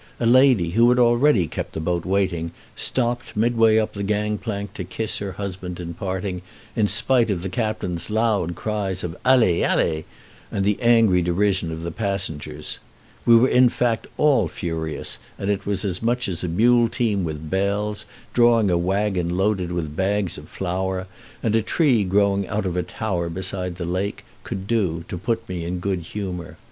A lady, who had already kept the boat waiting, stopped midway up the gang plank to kiss her husband in parting, in spite of the captain's loud cries of "Allez! Allez!" and the angry derision of the passengers. We were in fact all furious, and it was as much as a mule team with bells, drawing a wagon loaded with bags of flower, and a tree growing out of a tower beside the lake, could do to put me in good humor.